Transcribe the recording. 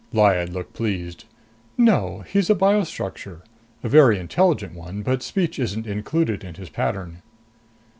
Lyad looked pleased. "No. He's a biostructure. A very intelligent one, but speech isn't included in his pattern."